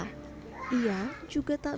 aku mau berusaha dulu